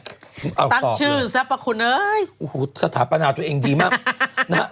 ตั้งชื่อซับปะคุณเอ้ยโอ้โหสถาปนาตัวเองดีมากนะฮะ